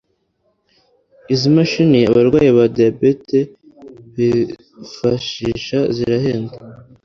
Izi mashini abarwayi ba Diabete bifashisha zirahenda